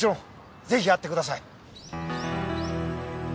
ぜひ会ってください。